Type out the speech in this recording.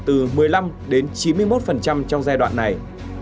từ một mươi năm đến chín mươi một trong giai đoạn này